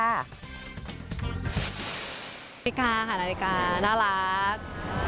นาฬิกาค่ะนาฬิกาน่ารัก